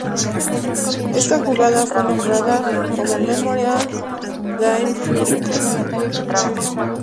Esta jugada fue nombrada como "Memorial Day Miracle".